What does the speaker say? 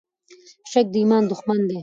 شک د ایمان دښمن دی.